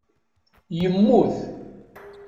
Yemmut.